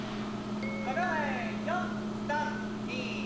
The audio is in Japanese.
５秒前４３２。